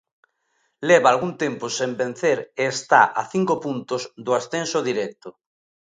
Leva algún tempo sen vencer e está a cinco puntos do ascenso directo.